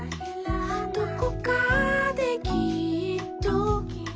「どこかできっと」